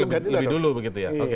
lebih dulu begitu ya